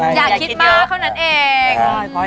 พออยมั่นใจเองเห็นมั้ย